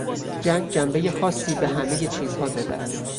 جنگ جنبهی خاصی به همهی چیزها داده است.